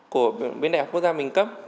của bên đại học quốc gia mình cấp